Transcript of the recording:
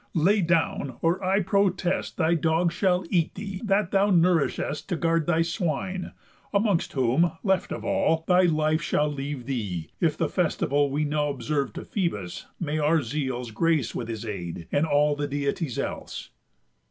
Lay down, or I protest Thy dogs shall eat thee, that thou nourishest To guard thy swine; amongst whom, left of all, Thy life shall leave thee, if the festival, We now observe to Phœbus, may our zeals Grace with his aid, and all the Deities else."